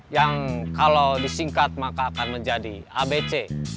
yang kalau disingkat maka akan menjadi abc